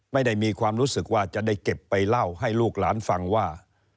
ไม่ได้มีความรู้สึกว่าจะได้เก็บไปเล่าให้ลูกหลานฟังว่า